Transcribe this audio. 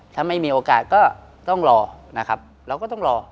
ถ้าไม่มีโอกาสก็ต้องรอนะครับเราก็ต้องรอ